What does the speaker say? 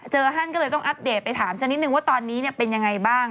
เจอฮั่นก็เลยต้องอัปเดตไปถามซะนิดนึงว่าตอนนี้เนี่ยเป็นยังไงบ้าง